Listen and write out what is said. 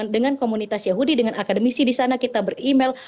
dengan komunitas yahudi dengan akademisi di sana kita ber email